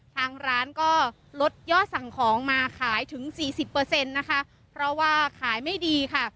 ทางร้านก็ลดยอดสั่งของมาขายถึงสี่สิบเปอร์เซ็นต์นะคะเพราะว่าขายไม่ดีค่ะ